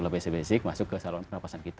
lebih spesifik masuk ke salon pernafasan kita